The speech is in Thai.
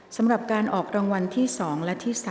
สำหรับการออกรางวัลที่๒และที่๓